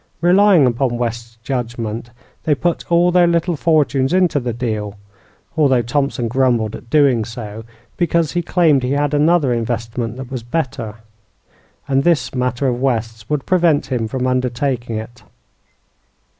Relying upon West's judgment, they put all their little fortunes into the deal, although Thompson grumbled at doing so, because he claimed he had another investment that was better, and this matter of West's would prevent him from undertaking it.